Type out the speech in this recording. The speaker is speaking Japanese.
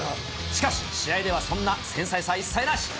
しかし、試合ではそんな繊細さは一切なし。